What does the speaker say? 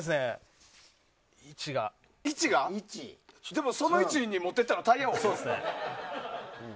でもその位置に持っていったのタイヤ王やで。